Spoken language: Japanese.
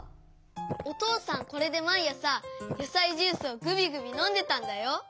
おとうさんこれでまいあさやさいジュースをぐびぐびのんでたんだよ。